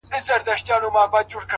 زما سره اوس لا هم د هغي بېوفا ياري ده-